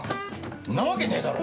んなわけねえだろ。